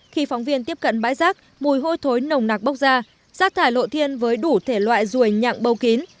khi phóng viên tiếp cận bãi rác mùi hôi thối nồng nạc bốc ra rác thải lộ thiên với đủ thể loại ruồi nhạc bâu kín